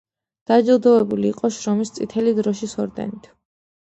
დაჯილდოვებული იყო შრომის წითელი დროშის ორდენით.